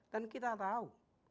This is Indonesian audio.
dan kita tahu